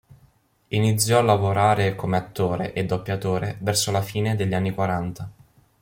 Iniziò a lavorare come attore e doppiatore verso la fine degli anni quaranta.